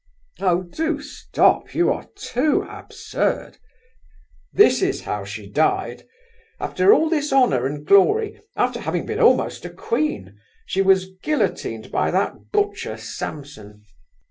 "Oh! do stop—you are too absurd!" "This is how she died. After all this honour and glory, after having been almost a Queen, she was guillotined by that butcher, Samson.